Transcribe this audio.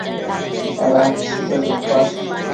Ada chicho chopash ?